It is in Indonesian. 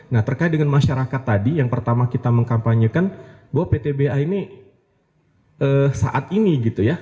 nah terkait dengan masyarakat tadi yang pertama kita mengkampanyekan bahwa ptba ini saat ini gitu ya